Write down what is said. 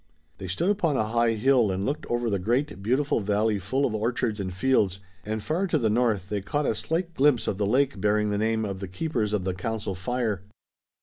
They stood upon a high hill and looked over the great, beautiful valley full of orchards and fields and far to the north they caught a slight glimpse of the lake bearing the name of the Keepers of the Council Fire.